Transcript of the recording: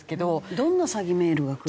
どんな詐欺メールがくる？